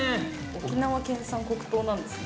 ◆沖縄県産黒糖なんですね。